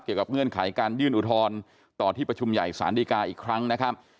เงื่อนไขการยื่นอุทธรณ์ต่อที่ประชุมใหญ่ศาลดีกาอีกครั้งนะครับ